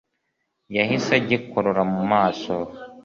yahise agikurura mu maso